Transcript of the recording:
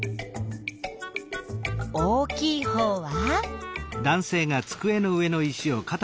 大きいほうは？